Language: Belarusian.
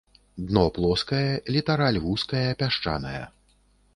Дно плоскае, літараль вузкая, пясчаная.